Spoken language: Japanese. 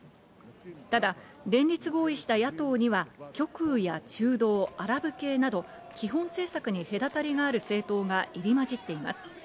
ただ、連立合意した野党には極右や中道、アラブ系など基本政策に隔たりがある政党が入り混じっています。